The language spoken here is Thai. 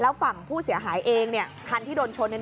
ฝั่งผู้เสียหายเองคันที่โดนชน